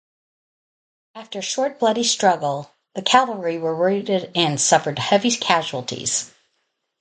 After a short bloody struggle, the cavalry were routed and suffered heavy casualties.